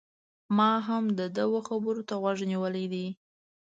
ما هم د ده و خبرو ته غوږ نيولی دی